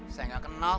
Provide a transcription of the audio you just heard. saya gak kenal